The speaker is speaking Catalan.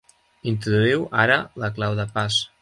Introduïu ara la clau de pas